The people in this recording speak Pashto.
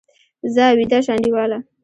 ځه، ویده شه انډیواله!